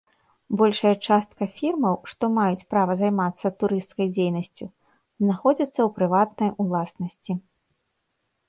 Большая частка фірмаў, што маюць права займацца турысцкай дзейнасцю, знаходзяцца ў прыватнай уласнасці.